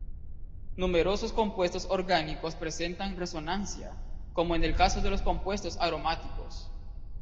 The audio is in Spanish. Numerosos compuestos orgánicos presentan resonancia, como en el caso de los compuestos aromáticos.